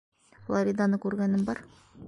Флориданы күргәнем бар.